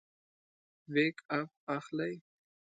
بیک اپ اخلئ؟